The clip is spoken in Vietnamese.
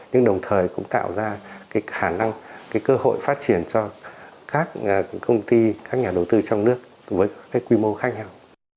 nhưng đồng thời cũng tạo ra khả năng cơ hội phát triển cho các công ty các nhà đầu tư trong nước với quy mô khác nhau